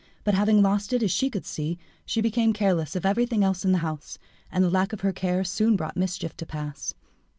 But having lost it, as she could see, she became careless of everything else in the house, and the lack of her care soon brought mischief to pass.